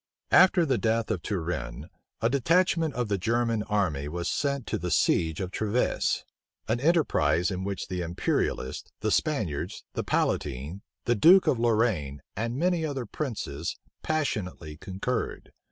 After the death of Turenne, a detachment of the German army was sent to the siege of Treves; an enterprise in which the imperialists, the Spaniards, the palatine, the duke of Lorraine, and many other princes, passionately concurred.